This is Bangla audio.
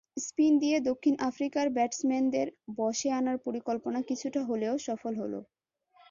স্পিন দিয়ে দক্ষিণ আফ্রিকার ব্যাটসম্যানদের বশে আনার পরিকল্পনা কিছুটা হলেও সফল হলো।